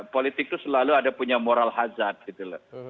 politik itu selalu ada punya moral hazard gitu loh